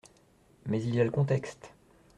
Mais il y a le contexte.